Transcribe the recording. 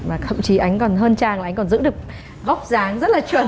và thậm chí anh còn hơn trang là anh còn giữ được góc dáng rất là chuẩn